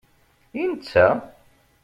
I netta?